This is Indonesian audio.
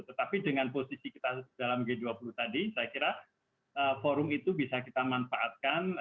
tetapi dengan posisi kita dalam g dua puluh tadi saya kira forum itu bisa kita manfaatkan